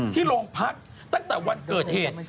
ที่โรงพักตั้งแต่วันเกิดเหตุ